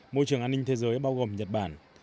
môi trường an ninh thế giới bao gồm nhật bản